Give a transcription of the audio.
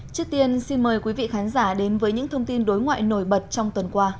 trước tiên xin mời quý vị khán giả đến với những thông tin đối ngoại nổi bật trong tuần qua